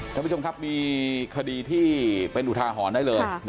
ท่านผู้ชมครับมีคดีที่เป็นอุทาหรณ์ได้เลย